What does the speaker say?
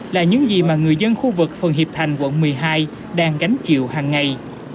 là những gì mà người dân khu vực phường hiệp thành quận một mươi hai đang gánh chịu hàng ngày